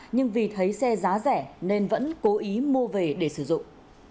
nhưng vì thấy xe giá rẻ nên vẫn cố ý mua về để sử dụng